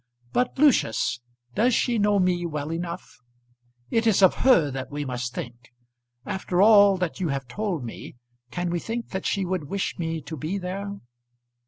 But, Lucius, does she know me well enough? It is of her that we must think. After all that you have told me, can we think that she would wish me to be there?"